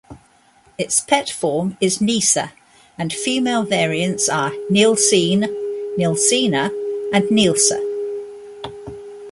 Its pet form is Nisse, and Female variants are Nielsine, Nielsina, and Nielsa.